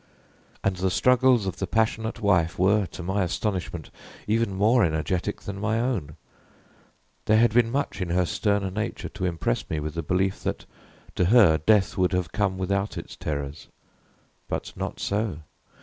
And the struggles of the passionate wife were, to my astonishment, even more energetic than my own. There had been much in her stern nature to impress me with the belief that, to her, death would have come without its terrors; but not so.